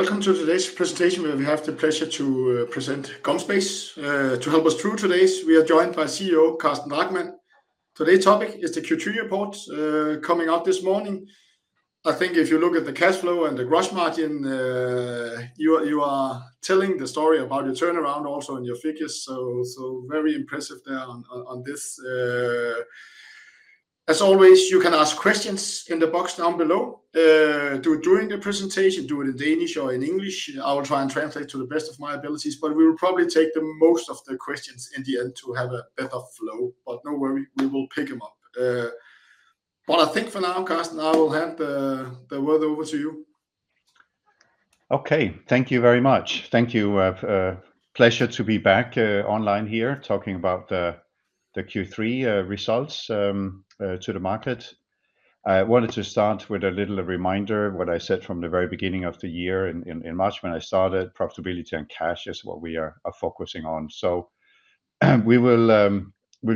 Welcome to today's presentation, where we have the pleasure to present GomSpace. To help us through today's, we are joined by CEO Carsten Drachmann. Today's topic is the Q3 Report coming out this morning. I think if you look at the cash flow and the gross margin, you are telling the story about your turnaround also in your figures, so very impressive there on this. As always, you can ask questions in the box down below during the presentation, do it in Danish or in English. I will try and translate to the best of my abilities, but we will probably take the most of the questions in the end to have a better flow. But no worry, we will pick them up. But I think for now, Carsten, I will hand the word over to you. Okay. Thank you very much. Thank you. Pleasure to be back online here talking about the Q3 results to the market. I wanted to start with a little reminder what I said from the very beginning of the year in March, when I started, profitability and cash is what we are focusing on. So, we will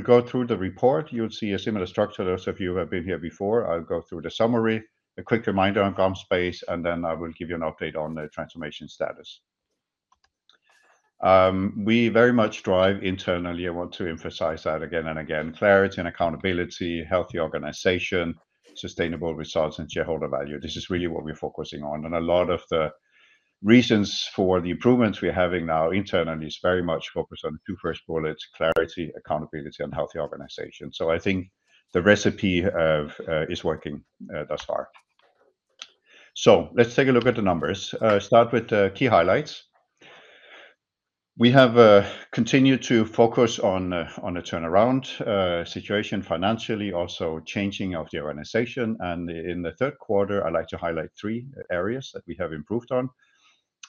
go through the report. You'll see a similar structure there, so if you have been here before, I'll go through the summary, a quick reminder on GomSpace, and then I will give you an update on the transformation status. We very much drive internally, I want to emphasize that again and again, clarity and accountability, healthy organization, sustainable results, and shareholder value. This is really what we're focusing on, and a lot of the reasons for the improvements we're having now internally is very much focused on the two first bullets, clarity, accountability, and healthy organization. So I think the recipe of is working, thus far. So let's take a look at the numbers. Start with the key highlights. We have continued to focus on the turnaround situation financially, also changing of the organization. And in the third quarter, I'd like to highlight three areas that we have improved on.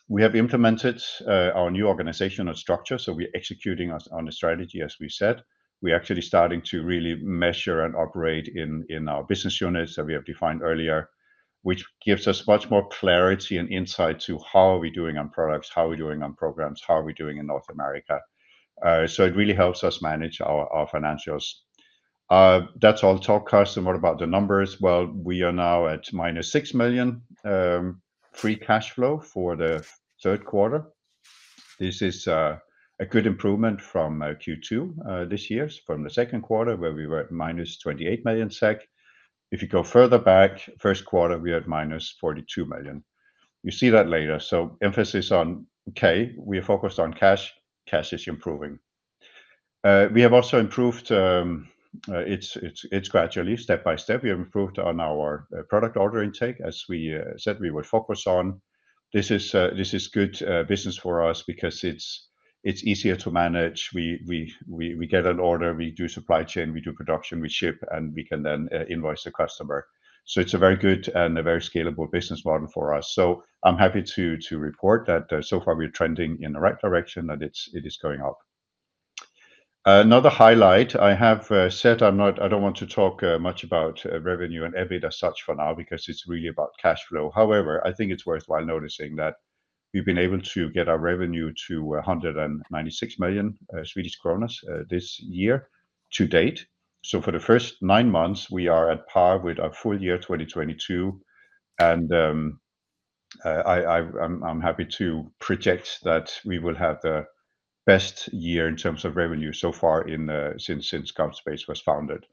We have implemented our new organizational structure, so we're executing on a strategy, as we said. We're actually starting to really measure and operate in our business units that we have defined earlier, which gives us much more clarity and insight to how are we doing on products, how are we doing on programs, how are we doing in North America? So it really helps us manage our financials. That's all talk, Carsten, what about the numbers? Well, we are now at -6 million free cash flow for the third quarter. This is a good improvement from Q2 this year, from the second quarter, where we were at -28 million SEK. If you go further back, first quarter, we had -42 million. You see that later. So emphasis on SEK, we are focused on cash. Cash is improving. We have also improved... It's gradually, step by step, we have improved on our product order intake, as we said we would focus on. This is good business for us because it's easier to manage. We get an order, we do supply chain, we do production, we ship, and we can then invoice the customer. So it's a very good and a very scalable business model for us. So I'm happy to report that so far we're trending in the right direction, and it is going up. Another highlight, I have said I'm not—I don't want to talk much about revenue and EBIT as such for now because it's really about cash flow. However, I think it's worthwhile noticing that we've been able to get our revenue to 196 million Swedish kronor this year to date. So for the first nine months, we are at par with our full year 2022, and I'm happy to project that we will have the best year in terms of revenue so far in since GomSpace was founded.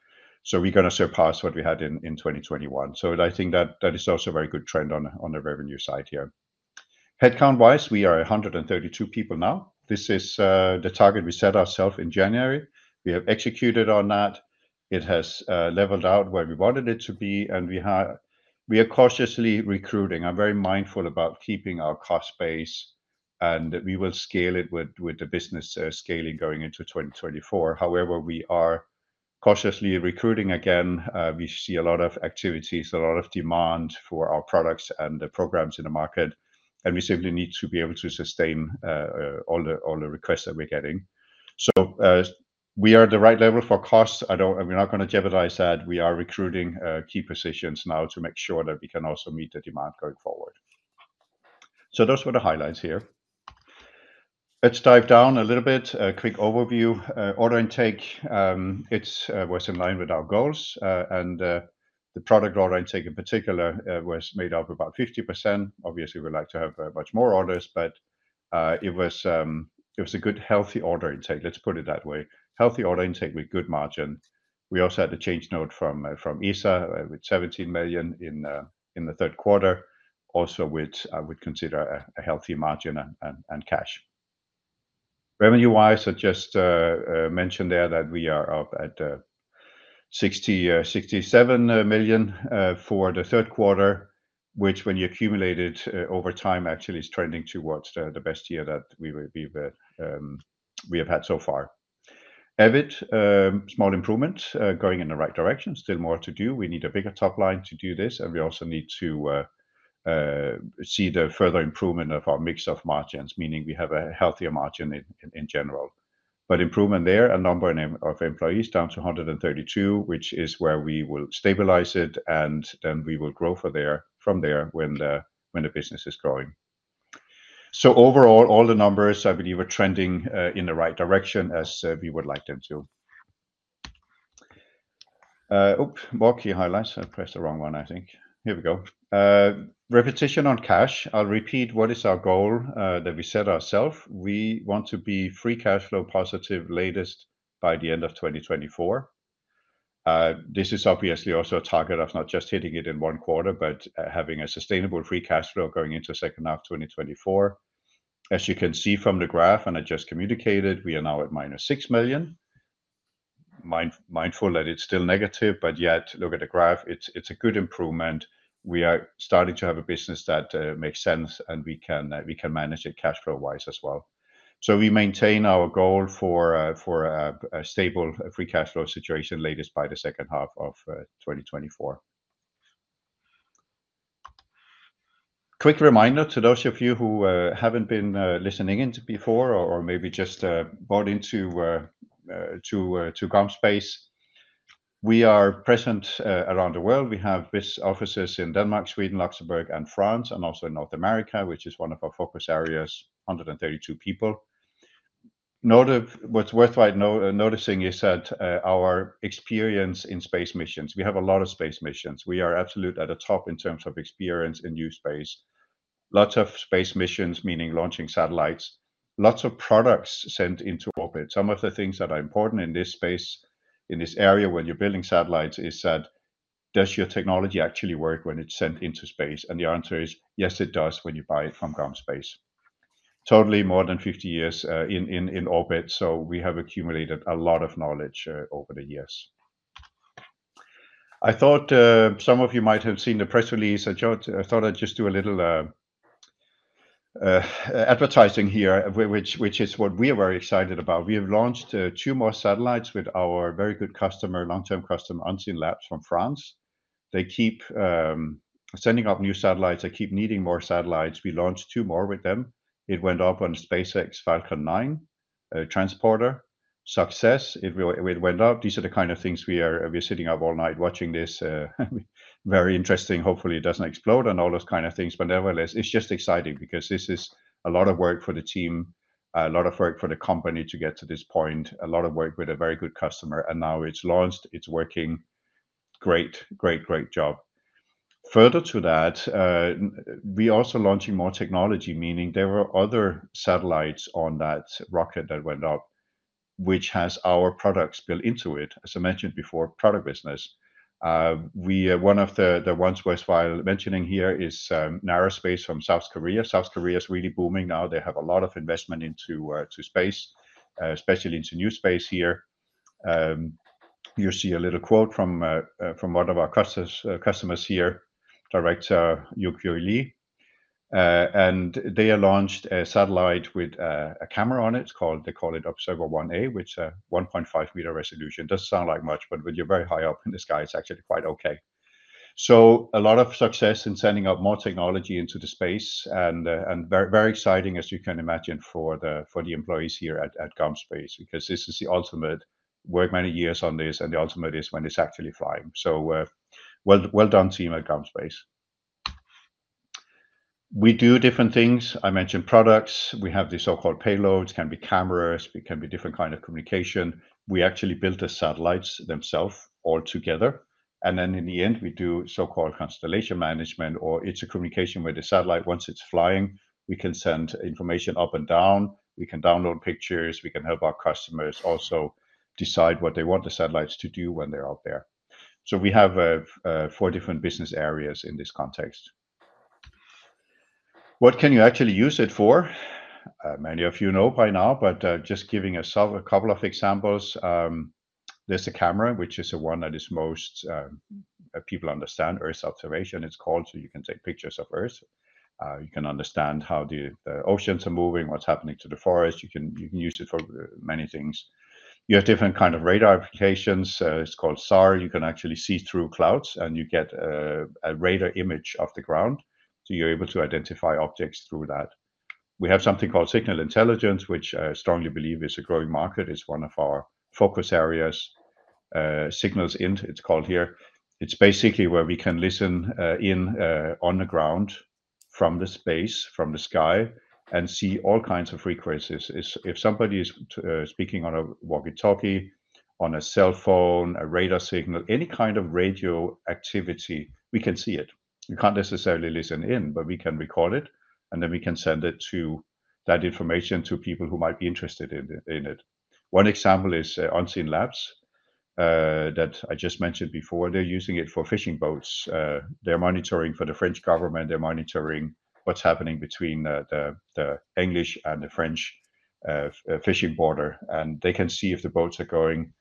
So we're gonna surpass what we had in 2021. So I think that that is also a very good trend on the revenue side here. Headcount-wise, we are 132 people now. This is the target we set ourself in January. We have executed on that. It has leveled out where we wanted it to be, and we are cautiously recruiting, are very mindful about keeping our cost base, and we will scale it with the business scaling going into 2024. However, we are cautiously recruiting again. We see a lot of activities, a lot of demand for our products and the programs in the market, and we simply need to be able to sustain all the requests that we're getting. So, we are at the right level for costs. I don't and we're not gonna jeopardize that. We are recruiting key positions now to make sure that we can also meet the demand going forward. So those were the highlights here. Let's dive down a little bit. A quick overview. Order intake, it's was in line with our goals, and the product order intake in particular was made up about 50%. Obviously, we'd like to have much more orders, but it was a good, healthy order intake, let's put it that way. Healthy order intake with good margin. We also had a change note from from ESA, with 17 million in the third quarter also, which I would consider a healthy margin and cash. Revenue-wise, I just mentioned there that we are up at 67 million for the third quarter, which, when you accumulate it over time, actually is trending towards the the best year that we will be the we have had so far. EBIT, small improvement, going in the right direction. Still more to do. We need a bigger top line to do this, and we also need to see the further improvement of our mix of margins, meaning we have a healthier margin in general. But improvement there, and number of employees down to 132, which is where we will stabilize it, and then we will grow from there when the business is growing. So overall, all the numbers I believe are trending in the right direction, as we would like them to. Oops. More key highlights. I pressed the wrong one, I think. Here we go. Repetition on cash. I'll repeat what is our goal, that we set ourself. We want to be free cash flow positive latest by the end of 2024. This is obviously also a target of not just hitting it in one quarter, but having a sustainable free cash flow going into second half of 2024. As you can see from the graph, and I just communicated, we are now at -6 million. Mindful that it's still negative, but yet look at the graph, it's a good improvement. We are starting to have a business that makes sense, and we can manage it cash flow-wise as well. So we maintain our goal for a stable free cash flow situation, latest by the second half of 2024. Quick reminder to those of you who haven't been listening in to before or maybe just bought into GomSpace. We are present around the world. We have business offices in Denmark, Sweden, Luxembourg, and France, and also North America, which is one of our focus areas, 132 people. Note what's worthwhile noticing is that our experience in space missions, we have a lot of space missions. We are absolute at the top in terms of experience in New Space. Lots of space missions, meaning launching satellites, lots of products sent into orbit. Some of the things that are important in this space, in this area when you're building satellites, is that does your technology actually work when it's sent into space? And the answer is, yes, it does, when you buy it from GomSpace. Total more than 50 years in orbit, so we have accumulated a lot of knowledge over the years. I thought some of you might have seen the press release. I thought I'd just do a little advertising here, which is what we are very excited about. We have launched two more satellites with our very good customer, long-term customer, Unseenlabs from France. They keep sending up new satellites. They keep needing more satellites. We launched two more with them. It went up on SpaceX Falcon 9 Transporter. Success. It went up. These are the kind of things we are... We're sitting up all night watching this, very interesting. Hopefully, it doesn't explode and all those kind of things, but nevertheless, it's just exciting because this is a lot of work for the team, a lot of work for the company to get to this point, a lot of work with a very good customer, and now it's launched. It's working. Great, great, great job. Further to that, we also launching more technology, meaning there were other satellites on that rocket that went up, which has our products built into it. As I mentioned before, product business. One of the ones worthwhile mentioning here is Nara Space from South Korea. South Korea is really booming now. They have a lot of investment into space, especially into New Space here. You see a little quote from one of our customers here, Director Yukyung Lee. They have launched a satellite with a camera on it. It's called, they call it Observer-1A, which 1.5-meter resolution. Doesn't sound like much, but when you're very high up in the sky, it's actually quite okay. So a lot of success in sending out more technology into the space and very, very exciting, as you can imagine, for the employees here at GomSpace, because this is the ultimate, work many years on this, and the ultimate is when it's actually flying. So, well done, team at GomSpace. We do different things. I mentioned products. We have the so-called payloads, can be cameras, it can be different kind of communication. We actually build the satellites themselves altogether, and then in the end, we do so-called constellation management, or it's a communication with the satellite. Once it's flying, we can send information up and down, we can download pictures, we can help our customers also decide what they want the satellites to do when they're out there. So we have four different business areas in this context. What can you actually use it for? Many of you know by now, but just giving ourself a couple of examples. There's a camera, which is the one that is most people understand. Earth observation, it's called, so you can take pictures of Earth. You can understand how the oceans are moving, what's happening to the forest. You can use it for many things. You have different kind of radar applications, it's called SAR. You can actually see through clouds, and you get a radar image of the ground, so you're able to identify objects through that. We have something called signal intelligence, which I strongly believe is a growing market; it's one of our focus areas. SIGINT, it's called here. It's basically where we can listen in on the ground from the space, from the sky, and see all kinds of frequencies. If somebody is speaking on a walkie-talkie, on a cell phone, a radar signal, any kind of radio activity, we can see it. We can't necessarily listen in, but we can record it, and then we can send it to that information to people who might be interested in it. One example is Unseenlabs that I just mentioned before. They're using it for fishing boats. They're monitoring for the French government. They're monitoring what's happening between the English and the French fishing border, and they can see if the boats are going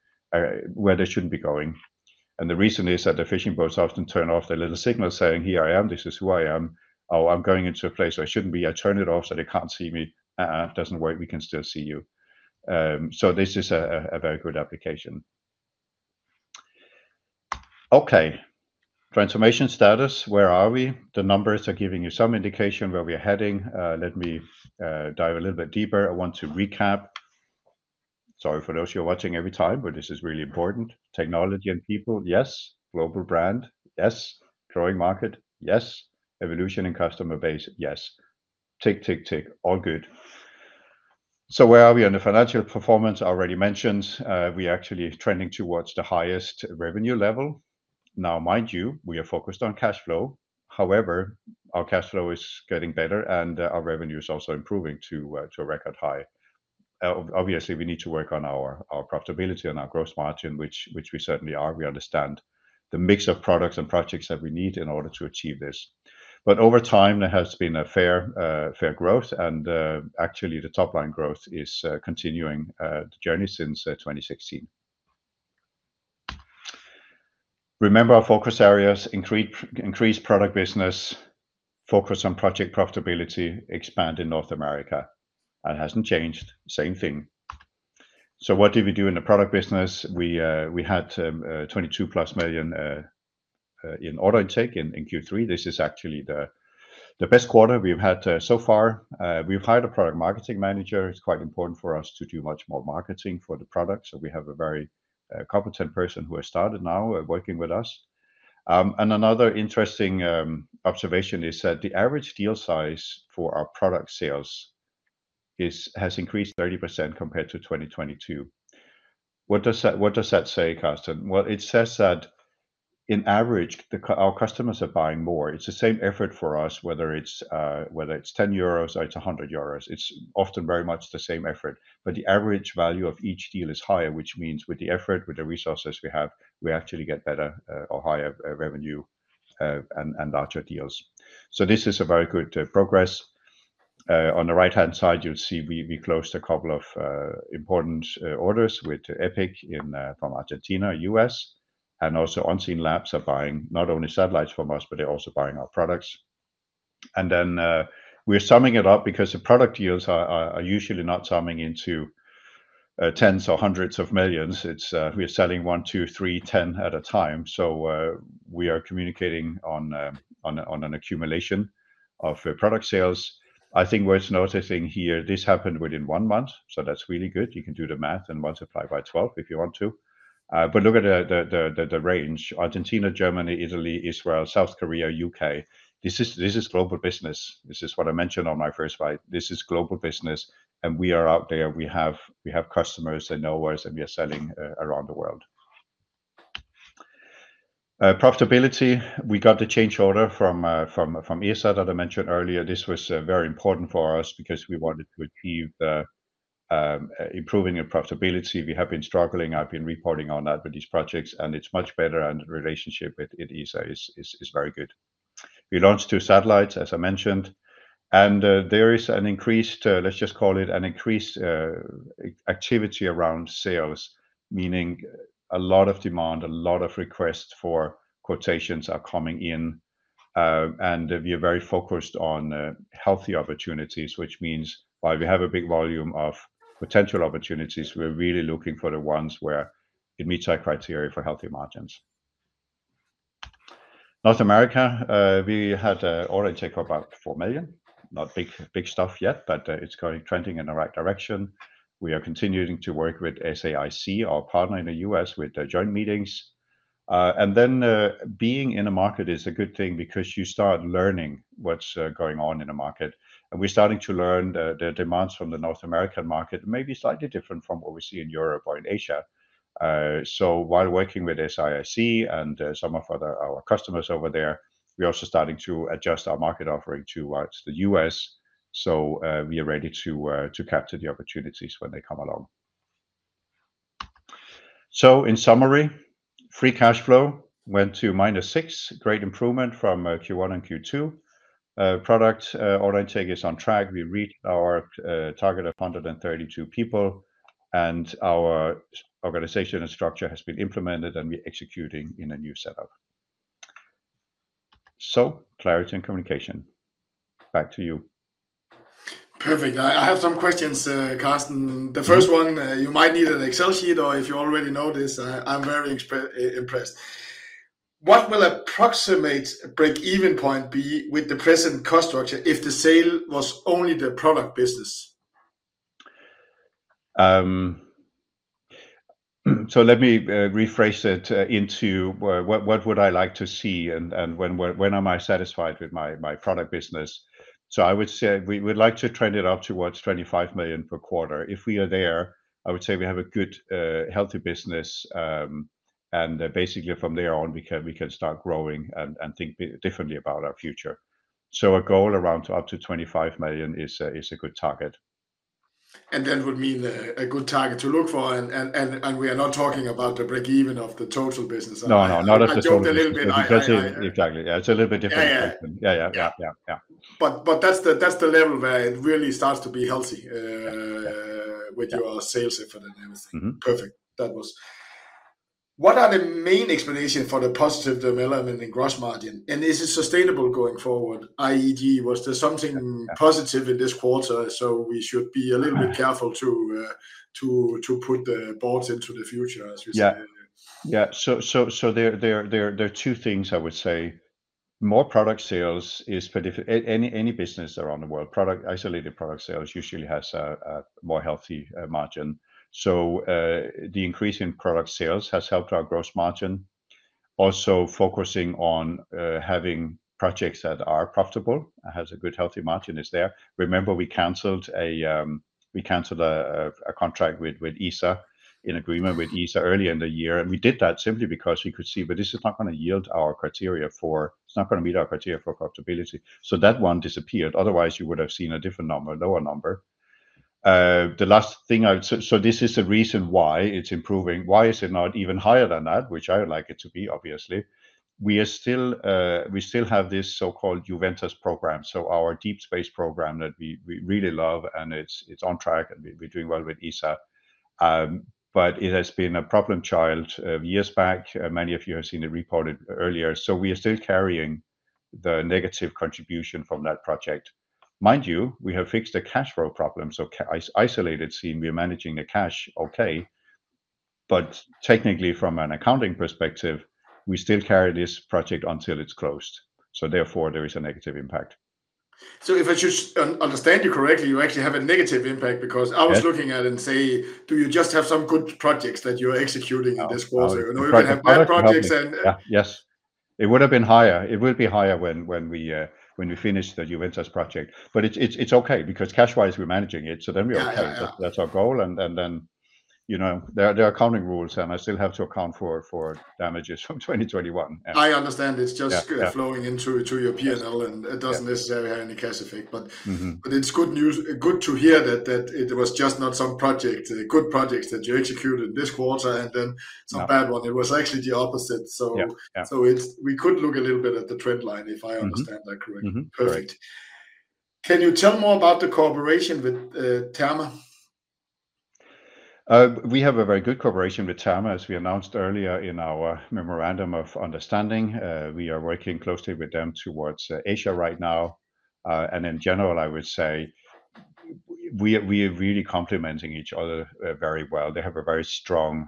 where they shouldn't be going. And the reason is that the fishing boats often turn off their little signal, saying, "Here I am. This is who I am. Oh, I'm going into a place where I shouldn't be. I turn it off, so they can't see me." Doesn't work, we can still see you. So this is a very good application. Okay, transformation status. Where are we? The numbers are giving you some indication where we're heading. Let me dive a little bit deeper. I want to recap. Sorry for those who are watching every time, but this is really important. Technology and people, yes. Global brand, yes. Growing market, yes. Evolution in customer base, yes All good... So where are we on the financial performance? I already mentioned, we actually are trending towards the highest revenue level. Now, mind you, we are focused on cash flow. However, our cash flow is getting better, and, our revenue is also improving to a record high. Obviously, we need to work on our profitability and our gross margin, which we certainly are. We understand the mix of products and projects that we need in order to achieve this. But over time, there has been a fair growth, and, actually, the top-line growth is continuing the journey since 2016. Remember our focus areas: increase product business, focus on project profitability, expand in North America. That hasn't changed. Same thing. So what did we do in the product business? We had 22+ million in order intake in Q3. This is actually the best quarter we've had so far. We've hired a product marketing manager. It's quite important for us to do much more marketing for the product, so we have a very competent person who has started now working with us. And another interesting observation is that the average deal size for our product sales has increased 30% compared to 2022. What does that say, Carsten? Well, it says that in average our customers are buying more. It's the same effort for us, whether it's 10 euros or it's 100 euros, it's often very much the same effort. But the average value of each deal is higher, which means with the effort, with the resources we have, we actually get better, or higher, revenue, and larger deals. So this is a very good progress. On the right-hand side, you'll see we closed a couple of important orders with Epic from Argentina, US, and also Unseenlabs are buying not only satellites from us, but they're also buying our products. And then, we're summing it up because the product deals are usually not summing into tens or hundreds of millions SEK. It's we are selling one, two, three, 10 at a time. So we are communicating on an accumulation of product sales. I think worth noticing here, this happened within one month, so that's really good. You can do the math and multiply by 12 if you want to. But look at the range: Argentina, Germany, Italy, Israel, South Korea, UK. This is global business. This is what I mentioned on my first slide. This is global business, and we are out there. We have customers that know us, and we are selling around the world. Profitability, we got the change order from ESA, that I mentioned earlier. This was very important for us because we wanted to achieve the improving the profitability. We have been struggling. I've been reporting on that with these projects, and it's much better, and the relationship with ESA is very good. We launched two satellites, as I mentioned, and there is an increased, let's just call it an increased, activity around sales, meaning a lot of demand, a lot of requests for quotations are coming in. And we are very focused on healthy opportunities, which means while we have a big volume of potential opportunities, we're really looking for the ones where it meets our criteria for healthy margins. North America, we had a order take of about 4 million. Not big, big stuff yet, but it's going, trending in the right direction. We are continuing to work with SAIC, our partner in the US, with the joint meetings. And then, being in a market is a good thing because you start learning what's going on in the market, and we're starting to learn the demands from the North American market may be slightly different from what we see in Europe or in Asia. So while working with SAIC and some of other our customers over there, we're also starting to adjust our market offering towards the US, so we are ready to capture the opportunities when they come along. So in summary, free cash flow went to -6, great improvement from Q1 and Q2. Product order intake is on track. We reached our target of 132 people, and our organization and structure has been implemented, and we're executing in a new setup. So clarity and communication, back to you. Perfect. I have some questions, Carsten. The first one, you might need an Excel sheet, or if you already know this, I'm very impressed. What will approximate break-even point be with the present cost structure if the sale was only the product business? Let me rephrase it into what would I like to see and when am I satisfied with my product business? I would say we would like to trend it up towards 25 million per quarter. If we are there, I would say we have a good healthy business, and basically from there on, we can start growing and think differently about our future. A goal around up to 25 million is a good target. That would mean a good target to look for, and we are not talking about the break even of the total business- No, not of the total. I joked a little bit. Exactly. Yeah, it's a little bit different- Yeah. Yeah. But that's the level where it really starts to be healthy. Yeah with your sales effort and everything. Mm-hmm. Perfect. What are the main explanation for the positive development in gross margin, and is it sustainable going forward, i.e., was there something positive in this quarter so we should be a little bit careful to put the boats into the future, as you say? Yeah. So there are two things I would say: More product sales is any business around the world, isolated product sales usually has a more healthy margin. So the increase in product sales has helped our gross margin. Also focusing on having projects that are profitable, has a good healthy margin is there. Remember, we canceled a contract with ESA in agreement with ESA early in the year, and we did that simply because we could see that this is not gonna yield our criteria. It's not gonna meet our criteria for profitability. So that one disappeared, otherwise you would have seen a different number, a lower number. So this is the reason why it's improving. Why is it not even higher than that, which I would like it to be, obviously? We are still, we still have this so-called Juventas program. So our deep space program that we, we really love, and it's, it's on track, and we, we're doing well with ESA. But it has been a problem child. Years back, many of you have seen it reported earlier, so we are still carrying the negative contribution from that project. Mind you, we have fixed the cash flow problem, so cash is isolated seeing we are managing the cash okay, but technically from an accounting perspective, we still carry this project until it's closed, so therefore there is a negative impact. If I just understand you correctly, you actually have a negative impact- Yeah Because I was looking at it and say, "Do you just have some good projects that you're executing in this quarter? Oh, right. You know, you can have bad projects and- Yeah. Yes, it would have been higher. It will be higher when we finish the Juventas project, but it's okay because cash-wise we're managing it, so then we are okay. Yeah. That's our goal, and then, you know, there are accounting rules, and I still have to account for damages from 2021. I understand. Yeah. It's just flowing into, to your PNL, and- Yeah... it doesn't necessarily have any cash effect, but- Mm-hmm... but it's good news, good to hear that it was just not some project, the good projects that you executed this quarter and then- Yeah... some bad one. It was actually the opposite. So- Yeah,... so it's, we could look a little bit at the trend line if I understand- Mm-hmm... that correctly. Mm-hmm. Perfect. Correct. Can you tell more about the cooperation with Terma? We have a very good cooperation with Terma, as we announced earlier in our Memorandum of Understanding. We are working closely with them towards Asia right now. And in general, I would say we, we are really complementing each other very well. They have a very strong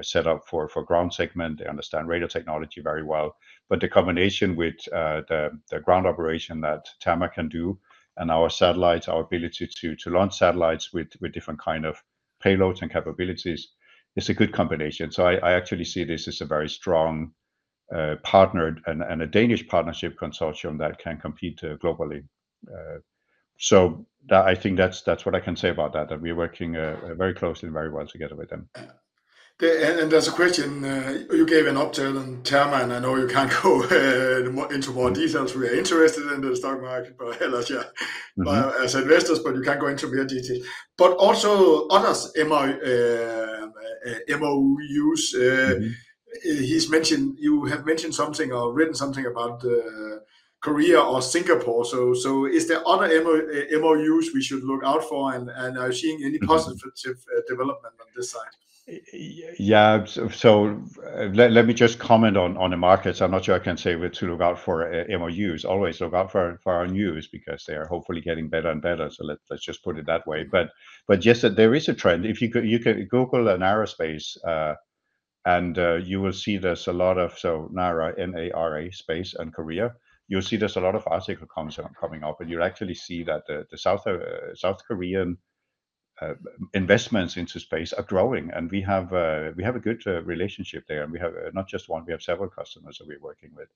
setup for ground segment. They understand radio technology very well, but the combination with the ground operation that Terma can do and our satellites, our ability to launch satellites with different kind of payloads and capabilities, is a good combination. So I actually see this as a very strong partner and a Danish partnership consortium that can compete globally. So that, I think that's what I can say about that, that we're working very closely and very well together with them. Yeah, and there's a question. You gave an update on Terma, and I know you can't go into more details. We are interested in the stock market, but hell yeah- Mm-hmm... as investors, but you can't go into real detail. But also others, MOUs- Mm-hmm... he's mentioned, you have mentioned something or written something about, Korea or Singapore. So, is there other MOU we should look out for and are seeing any- Mm-hmm... positive, development on this side? Yeah, so let me just comment on the markets. I'm not sure I can say where to look out for MOUs. Always look out for our news because they are hopefully getting better and better, so let's just put it that way. But just that there is a trend. You can Google Nara Space, and you will see there's a lot of... So NARA, N-A-R-A Space and Korea, you'll see there's a lot of articles coming up, and you'll actually see that the South Korean investments into space are growing. And we have a good relationship there, and we have not just one, we have several customers that we're working with.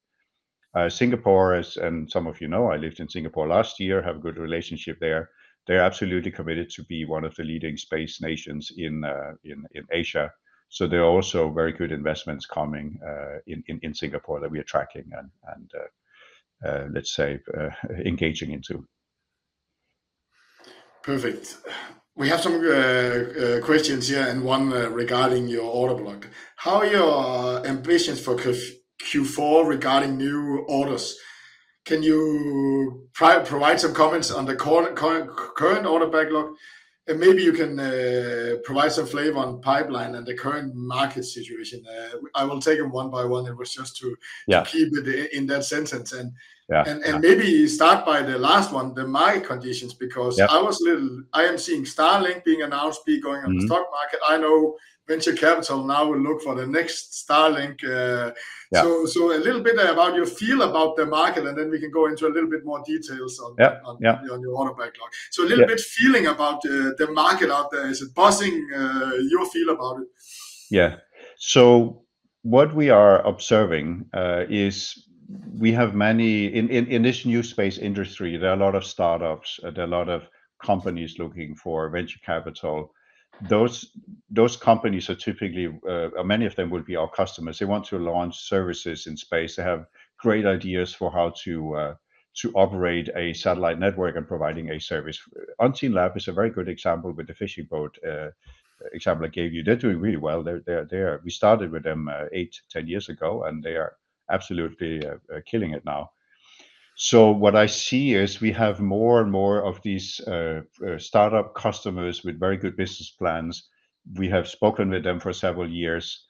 Singapore, and some of you know, I lived in Singapore last year, have a good relationship there. They're absolutely committed to be one of the leading space nations in Asia. So there are also very good investments coming in Singapore that we are tracking and, let's say, engaging into. Perfect. We have some questions here, and one regarding your order book. How are your ambitions for Q4 regarding new orders? Can you provide some comments on the current order backlog, and maybe you can provide some flavor on pipeline and the current market situation? I will take them one by one. It was just to- Yeah... keep it in that sentence. And- Yeah.... and maybe start by the last one, the market conditions- Yeah.... because I was little—I am seeing Starlink being announced, be going- Mm-hmm... on the stock market. I know venture capital now will look for the next Starlink. Yeah... so, a little bit about your feel about the market, and then we can go into a little bit more details on- Yeah, yeah... on your order backlog. Yeah. So a little bit feeling about the market out there. Is it buzzing? Your feel about it. Yeah. So what we are observing is we have many in this New Space industry, there are a lot of startups, there are a lot of companies looking for venture capital. Those companies are typically many of them will be our customers. They want to launch services in space. They have great ideas for how to to operate a satellite network and providing a service. Unseenlabs is a very good example with the fishing boat example I gave you. They're doing really well. They're we started with them eight to 10 years ago, and they are absolutely killing it now. So what I see is we have more and more of these startup customers with very good business plans. We have spoken with them for several years.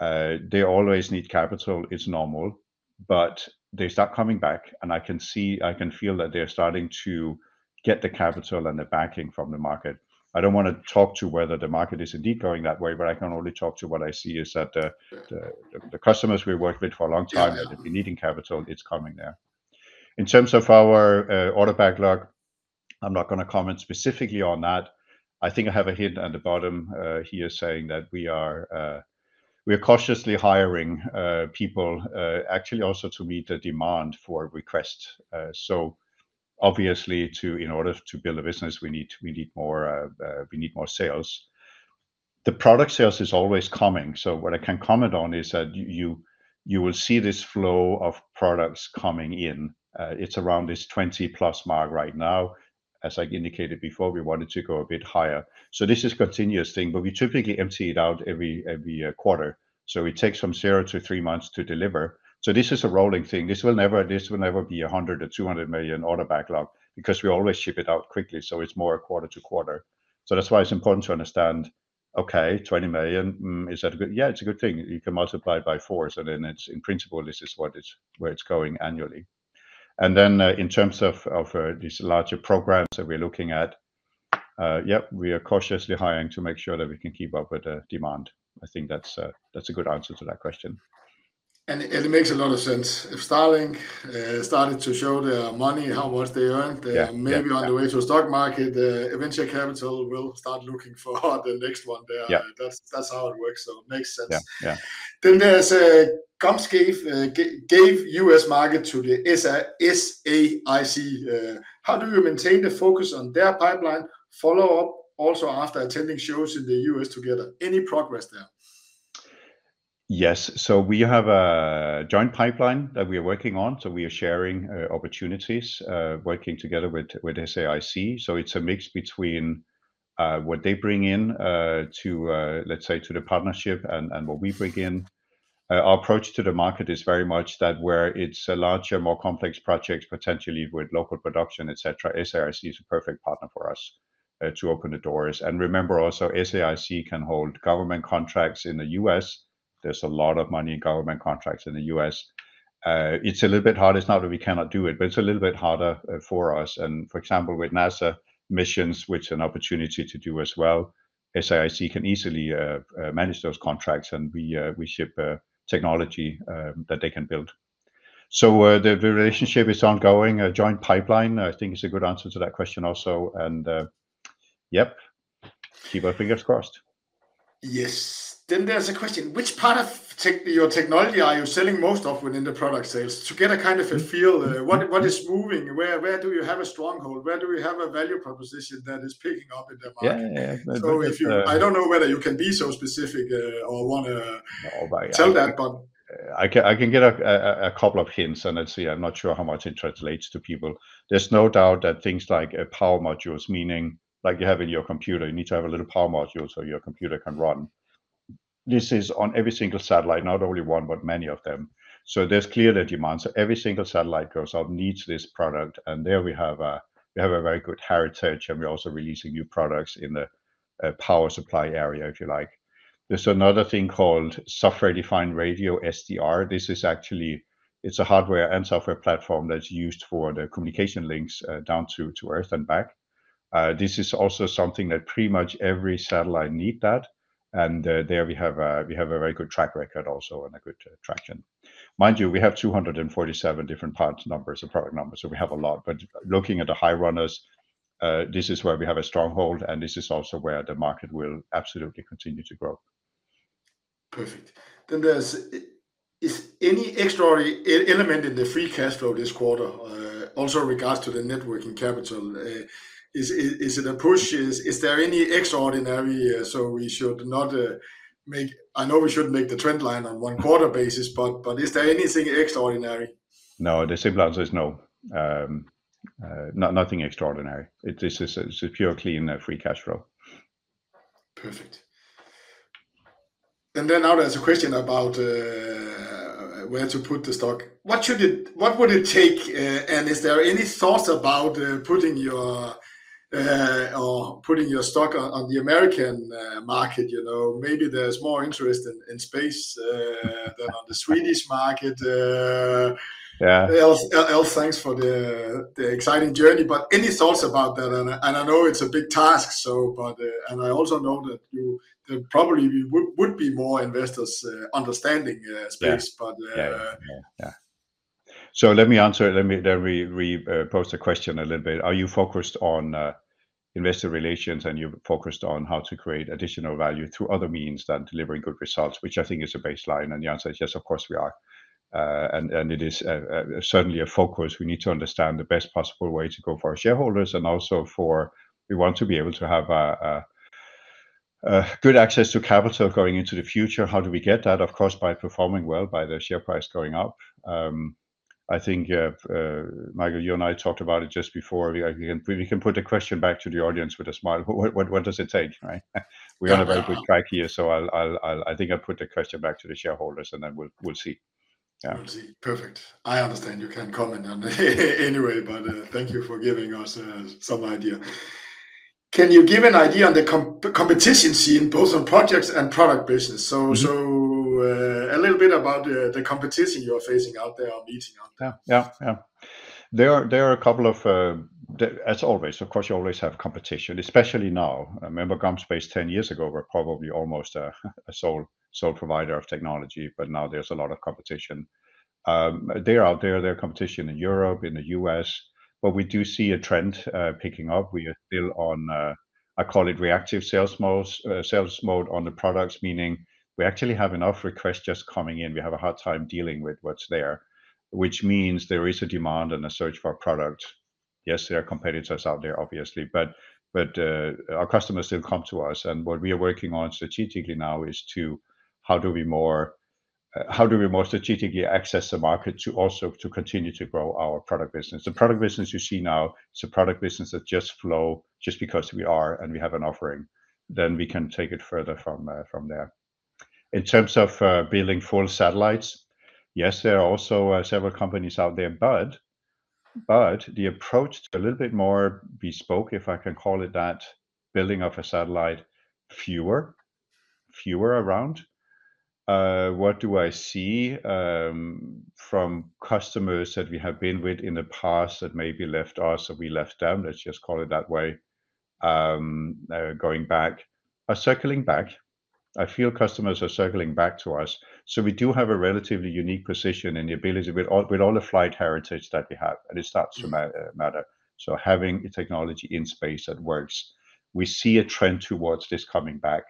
They always need capital, it's normal, but they start coming back, and I can see, I can feel that they are starting to get the capital and the backing from the market. I don't want to talk to whether the market is indeed going that way, but I can only talk to what I see is that, the customers we worked with for a long time- Yeah... they've been needing capital, it's coming now. In terms of our order backlog, I'm not gonna comment specifically on that. I think I have a hint at the bottom here saying that we are cautiously hiring people actually also to meet the demand for requests. So obviously, in order to build a business, we need more sales. The product sales is always coming, so what I can comment on is that you will see this flow of products coming in. It's around this 20+ mark right now. As I indicated before, we wanted to go a bit higher. So this is continuous thing, but we typically empty it out every quarter. So it takes from 0-3 months to deliver. So this is a rolling thing. This will never, this will never be 100 million or 200 million order backlog, because we always ship it out quickly, so it's more quarter to quarter. So that's why it's important to understand, okay, 20 million is that a good... Yeah, it's a good thing. You can multiply it by four, so then it's, in principle, this is what it's where it's going annually. And then, in terms of of these larger programs that we're looking at, yep, we are cautiously hiring to make sure that we can keep up with the demand. I think that's a good answer to that question. It makes a lot of sense. If Starlink started to show their money, how much they earned- Yeah.... they may be on the way to a stock market, venture capital will start looking for the next one there. Yeah. That's how it works, so makes sense. Yeah. Then there's GomSpace gave US market to the SAIC. How do you maintain the focus on their pipeline follow-up also after attending shows in the US together? Any progress there? Yes. So we have a joint pipeline that we are working on, so we are sharing opportunities working together with SAIC. So it's a mix between what they bring in to let's say to the partnership and what we bring in. Our approach to the market is very much that where it's a larger, more complex project, potentially with local production, et cetera, SAIC is a perfect partner for us to open the doors. And remember also, SAIC can hold government contracts in the US There's a lot of money in government contracts in the US It's a little bit harder. It's not that we cannot do it, but it's a little bit harder for us. For example, with NASA missions, which an opportunity to do as well, SAIC can easily manage those contracts, and we ship technology that they can build. So, the relationship is ongoing. A joint pipeline, I think, is a good answer to that question also. Yep, keep our fingers crossed. Yes. Then there's a question: Which part of your technology are you selling most of within the product sales? To get a kind of- Mm... a feel, what, what is moving? Where, where do you have a stronghold? Where do we have a value proposition that is picking up in the market? Yeah, yeah. Mm-hmm. So if you... I don't know whether you can be so specific, or wanna- Oh, but yeah.... tell that, but- I can give a couple of hints, and let's see, I'm not sure how much it translates to people. There's no doubt that things like power modules, meaning like you have in your computer, you need to have a little power module so your computer can run. This is on every single satellite, not only one, but many of them. So there's clear demand. So every single satellite goes out, needs this product, and there we have a very good heritage, and we're also releasing new products in the power supply area, if you like. There's another thing called software-defined radio, SDR. This is actually a hardware and software platform that's used for the communication links down to Earth and back. This is also something that pretty much every satellite need, and we have a very good track record also and a good traction. Mind you, we have 247 different part numbers and product numbers, so we have a lot. But looking at the high runners, this is where we have a stronghold, and this is also where the market will absolutely continue to grow. Perfect. Then, is there any extraordinary element in the free cash flow this quarter, also in regards to the working capital? Is it a push? Is there any extraordinary? I know we should make the trend line on one quarter basis, but is there anything extraordinary? No, the simple answer is no. Nothing extraordinary. It's a pure clean free cash flow. Perfect. And then now there's a question about where to put the stock. What would it take, and is there any thoughts about putting your stock on the American market? You know, maybe there's more interest in space than on the Swedish market. Yeah... else, thanks for the exciting journey, but any thoughts about that? And I know it's a big task, so but... And I also know that you there probably would be more investors understanding... Yeah... space, but, Yeah. Yeah, yeah. So let me answer it. Let me pose the question a little bit. Are you focused on investor relations, and you're focused on how to create additional value through other means than delivering good results? Which I think is a baseline, and the answer is yes, of course we are. And it is certainly a focus. We need to understand the best possible way to go for our shareholders and also for we want to be able to have a good access to capital going into the future. How do we get that? Of course, by performing well, by the share price going up. I think, Michael, you and I talked about it just before. We can put the question back to the audience with a smile: What does it take, right? Yeah. We're on a very good track here, so I'll, I think I'll put the question back to the shareholders, and then we'll see. Yeah. We'll see. Perfect. I understand you can't comment on it anyway, but thank you for giving us some idea. Can you give an idea on the competition scene, both on projects and product business? Mm-hmm. So, a little bit about the competition you're facing out there or meeting out there? Yeah, yeah. Yeah. There are, there are a couple of, as always, of course, you always have competition, especially now. Remember, GomSpace 10 years ago were probably almost a, a sole, sole provider of technology, but now there's a lot of competition. They are out there. There are competition in Europe, in the US, but we do see a trend picking up. We are still on... I call it reactive sales modes, sales mode on the products, meaning we actually have enough requests just coming in. We have a hard time dealing with what's there, which means there is a demand and a search for our product. Yes, there are competitors out there, obviously, but our customers still come to us, and what we are working on strategically now is how do we more strategically access the market to also continue to grow our product business? The product business you see now is a product business that just flow just because we are and we have an offering, then we can take it further from there. In terms of building full satellites, yes, there are also several companies out there, but the approach is a little bit more bespoke, if I can call it that. Building of a satellite, fewer around. What do I see from customers that we have been with in the past that maybe left us or we left them, let's just call it that way, going back? Are circling back. I feel customers are circling back to us, so we do have a relatively unique position and the ability with all, with all the flight heritage that we have, and it starts to matter. So having a technology in space that works, we see a trend towards this coming back.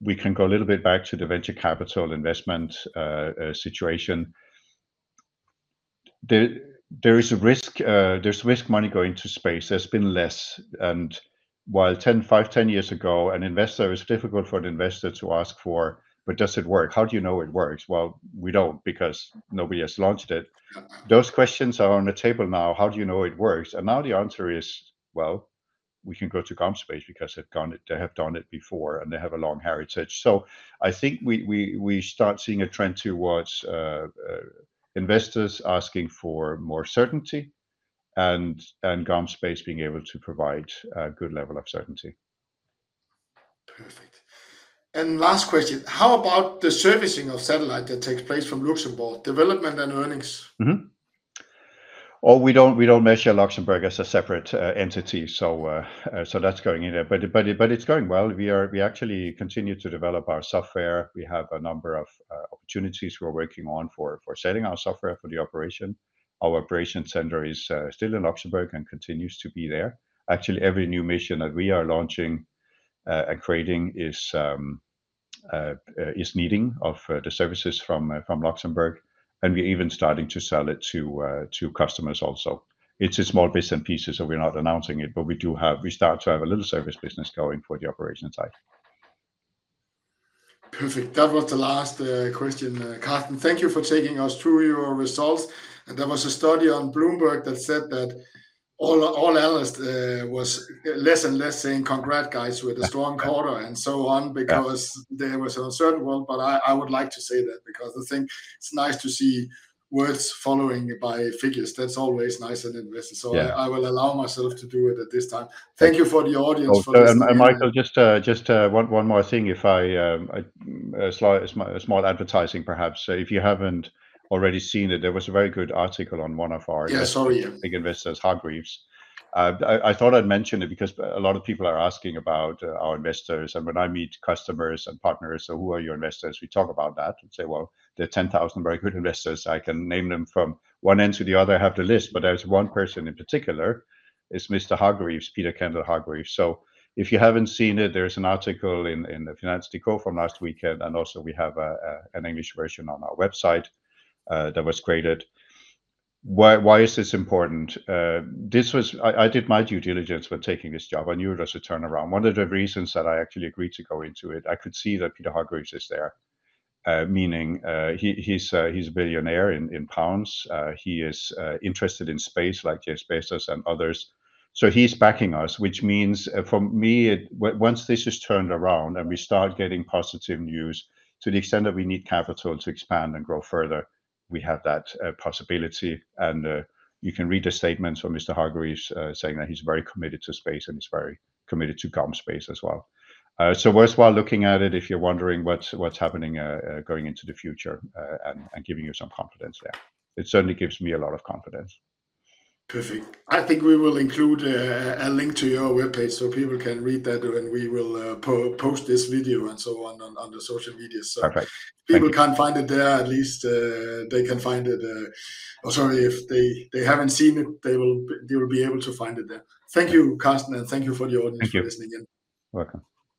We can go a little bit back to the venture capital investment situation. There is a risk, there's risk money going to space. There's been less, and while 10, 5, 10 years ago, an investor- it was difficult for an investor to ask for, "But does it work? How do you know it works?" "Well, we don't, because nobody has launched it." Those questions are on the table now. "How do you know it works?" Now the answer is, "Well, we can go to GomSpace because they've done it, they have done it before, and they have a long heritage." So I think we start seeing a trend towards investors asking for more certainty and GomSpace being able to provide a good level of certainty. Perfect. Last question, how about the servicing of satellite that takes place from Luxembourg, development and earnings? Mm-hmm. Oh, we don't, we don't measure Luxembourg as a separate entity, so that's going in there. But it's going well. We actually continue to develop our software. We have a number of opportunities we're working on for selling our software for the operation. Our operation center is still in Luxembourg and continues to be there. Actually, every new mission that we are launching and creating is needing of the services from Luxembourg, and we're even starting to sell it to customers also. It's in small bits and pieces, so we're not announcing it, but we do have- we start to have a little service business going for the operation side. Perfect. That was the last question. Carsten, thank you for taking us through your results. There was a study on Bloomberg that said that all analysts was less and less saying, "Congrats, guys, with a strong quarter," and so on- Yeah.... because there was an uncertain world. But I, I would like to say that, because I think it's nice to see words followed by figures. That's always nice as an investor. Yeah. I will allow myself to do it at this time. Thank you for the audience for listening. And Michael Friis, just one more thing. If I, a small advertising perhaps. If you haven't already seen it, there was a very good article on one of our- Yeah, I saw you.... big investors, Hargreaves. I thought I'd mention it because a lot of people are asking about our investors, and when I meet customers and partners, "So who are your investors?" We talk about that and say, "Well, they're 10,000 very good investors. I can name them from one end to the other, I have the list." But there's one person in particular, it's Mr. Hargreaves, Peter Hargreaves. So if you haven't seen it, there is an article in the Financial Times from last weekend, and also we have an English version on our website that was created. Why is this important? This was... I did my due diligence when taking this job. I knew it was a turnaround. One of the reasons that I actually agreed to go into it, I could see that Peter Hargreaves is there. Meaning, he's a billionaire in pounds. He is interested in space like Jeff Bezos and others. So he's backing us, which means, for me, once this is turned around and we start getting positive news, to the extent that we need capital to expand and grow further, we have that possibility. You can read the statements from Mr. Hargreaves, saying that he's very committed to space, and he's very committed to GomSpace as well. So worthwhile looking at it if you're wondering what's happening going into the future, and giving you some confidence there. It certainly gives me a lot of confidence. Perfect. I think we will include a link to your webpage so people can read that, and we will post this video and so on, on the social media. Perfect. Thank you. So people can find it there, at least, they can find it. Or sorry, if they haven't seen it, they will be able to find it there. Thank you, Carsten, and thank you for the audience- Thank you... for listening in. Welcome.